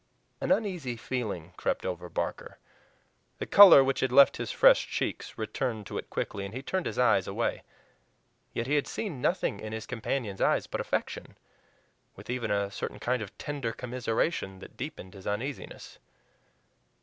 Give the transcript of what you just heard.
An uneasy feeling crept over Barker. The color which had left his fresh cheek returned to it quickly, and he turned his eyes away. Yet he had seen nothing in his companions' eyes but affection with even a certain kind of tender commiseration that deepened his uneasiness.